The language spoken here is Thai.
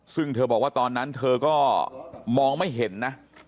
ซึ่งเธอบอกว่าตอนนั้นเธอก็มองไม่เห็นนะ